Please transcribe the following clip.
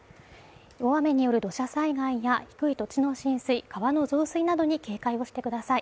大雨による土砂災害や低い土地の浸水、川の増水などに警戒をしてください。